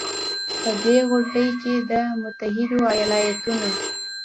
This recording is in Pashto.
په دې غونډې کې د متحدو ایالتونو